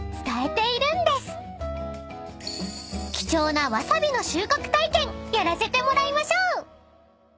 ［貴重なわさびの収穫体験やらせてもらいましょう！］